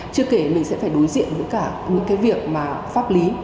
chưa kể mình sẽ phải đối diện với cả những cái việc mà pháp lý